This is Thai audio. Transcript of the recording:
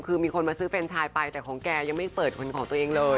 คือมีคนมาซื้อแฟนชายไปแต่ของแกยังไม่เปิดเป็นของตัวเองเลย